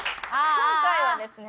今回はですね。